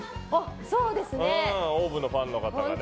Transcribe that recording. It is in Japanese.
ＯＷＶのファンの方がね。